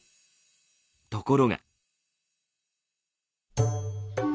ところが。